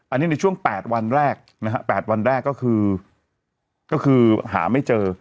อันนี้ในช่วง๘วันแรกนะฮะ๘วันแรกก็คือก็คือหาไม่เจอ